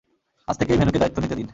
আজ থেকেই ভেনুকে দায়িত্ব নিতে দিন।